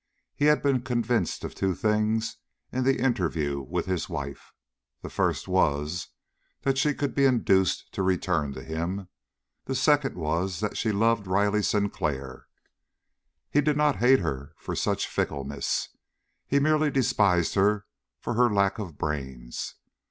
He had been convinced of two things in the interview with his wife: The first was that she could be induced to return to him; the second was that she loved Riley Sinclair. He did not hate her for such fickleness. He merely despised her for her lack of brains.